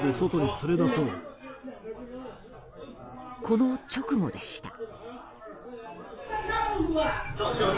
この直後でした。